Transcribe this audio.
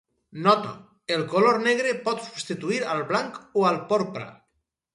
Nota: el color negre pot substituir al blanc o al porpra.